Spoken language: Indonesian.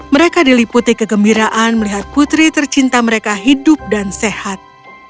mereka diliputi kegembiraan melihat putri tercinta mereka hidup dan sehat